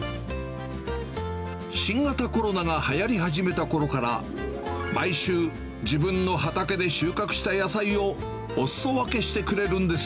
新型コロナがはやりはじめたころから、毎週、自分の畑で収穫した野菜をおすそ分けしてくれるんです。